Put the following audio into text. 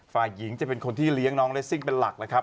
ฝ่ายหญิงจะเป็นคนที่เลี้ยงน้องเลสซิ่งเป็นหลักนะครับ